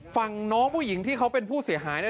ฝั่งน้องผู้หญิงที่เขาเป็นผู้เสียหายเนี่ย